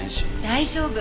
大丈夫。